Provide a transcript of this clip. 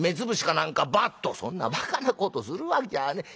「そんなバカなことするわきゃねえ。